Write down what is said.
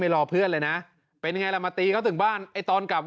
รอเพื่อนเลยนะเป็นยังไงล่ะมาตีเขาถึงบ้านไอ้ตอนกลับ